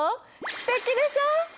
すてきでしょ？